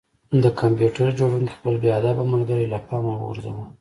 د کمپیوټر جوړونکي خپل بې ادبه ملګری له پامه وغورځاوه